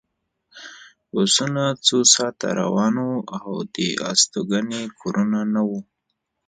بسونه څو ساعته روان وو او د استوګنې کورونه نه وو